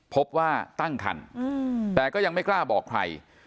พบว่าตั้งคันแต่ก็ยังไม่กล้าบอกใคร